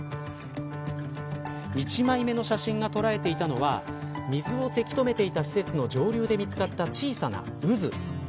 １枚目の写真が捉えていたのは水をせき止めていた施設の上流で見つかった小さな渦。